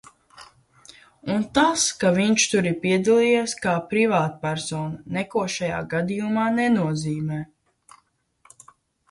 Un tas, ka viņš tur ir piedalījies kā privātpersona, neko šajā gadījumā nenozīmē.